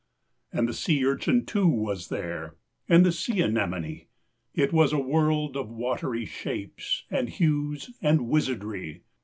And the sea urchin too was there, and the sea anemone. It was a world of watery shapes and hues and wizardry.